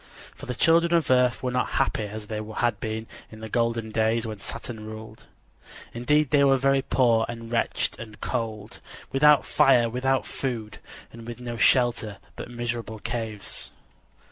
For the children of earth were not happy as they had been in the golden days when Saturn ruled. Indeed, they were very poor and wretched and cold, without fire, without food, and with no shelter but miserable caves.